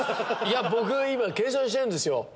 僕今計算してるんですよ。